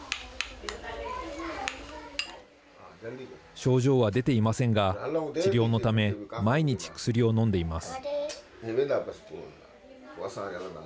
症状は出ていませんが治療のため毎日薬を飲んでいます。